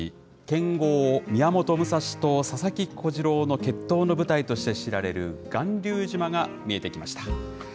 剣豪、宮本武蔵と佐々木小次郎の決闘の舞台として知られる巌流島が見えてきました。